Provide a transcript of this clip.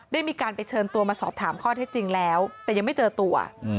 ได้มีการไปเชิญตัวมาสอบถามข้อเท็จจริงแล้วแต่ยังไม่เจอตัว